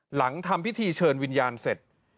หลังทำพิธีเชิญวิญญาณเสร็จ